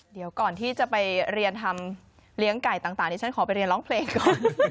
เดี๋ยวก่อนที่จะไปเรียนทำเลี้ยงไก่ต่างดิฉันขอไปเรียนร้องเพลงก่อน